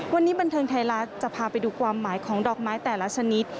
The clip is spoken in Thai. วันนี้บันเทิงไทยรัฐจะพาไปดูความหมายของดอกไม้แต่ละชนิด